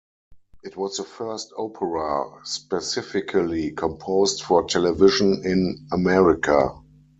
It was the first opera specifically composed for television in America.